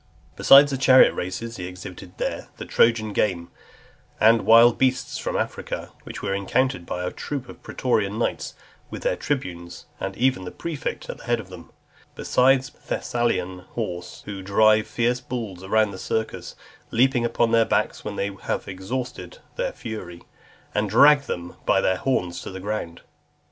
Besides the chariot races, he exhibited there the Trojan game, and wild beasts from Africa, which were encountered by a troop of pretorian knights, with their tribunes, and even the prefect at the head of them; besides Thessalian horse, who drive fierce bulls round the circus, leap upon their backs when they have exhausted their fury, and drag them by the horns to the ground.